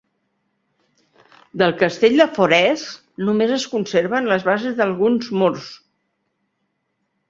Del castell de Forès només es conserven les bases d'alguns murs.